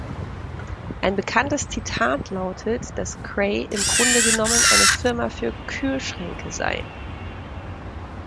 Ein bekanntes Zitat lautet, dass Cray im Grunde genommen eine Firma für Kühlschränke sei.